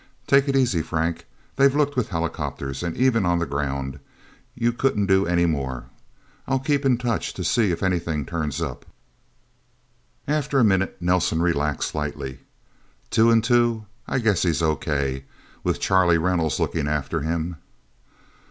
Take it easy, Frank. They've looked with helicopters, and even on the ground; you couldn't do any more. I'll keep in touch, to see if anything turns up..." After a minute, Nelsen relaxed, slightly. "Two and Two? I guess he's okay with Charlie Reynolds looking after him?"